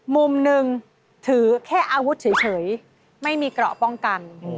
มุมหนึ่งถือแค่อาวุธเฉยไม่มีเกราะป้องกัน